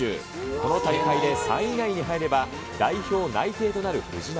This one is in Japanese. この大会で３位以内に入れば、代表内定となる藤波。